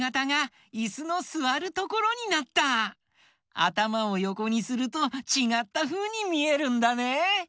あたまをよこにするとちがったふうにみえるんだね！